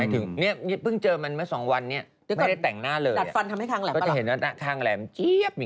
ตัดฟันทำให้ค้างแหลมเปล่า